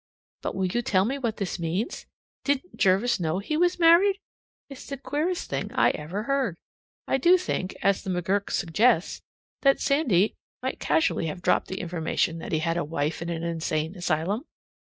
But will you tell me what this means? Didn't Jervis know he was married? It's the queerest thing I ever heard. I do think, as the McGurk suggests, that Sandy might casually have dropped the information that he had a wife in an insane asylum.